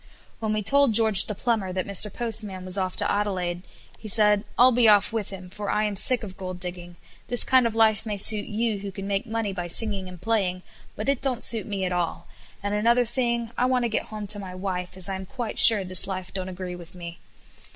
When we told George the Plumber that Mr. Postman was off to Adelaide, he said "I'll be off with him, for I am sick of gold digging; this kind of life may suit you who can make money by singing and playing, but it don't suit me at all, and another thing, I want to get home to my wife, as I am quite sure this life don't agree with me."